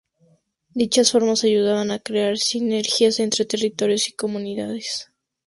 Dichas formas ayudaban a crear sinergias entre territorios y comunidades